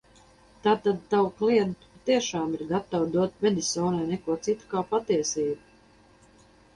"Tātad tava kliente patiešām ir gatava dot Medisonai "Neko citu, kā patiesību"?"